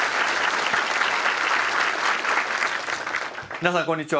皆さんこんにちは。